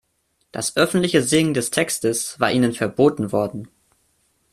Das öffentliche Singen des Textes war ihnen verboten worden.